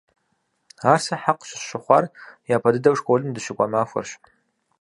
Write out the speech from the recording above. Ар сэ хьэкъ щысщыхъуар япэ дыдэу школым дыщыкӀуа махуэрщ.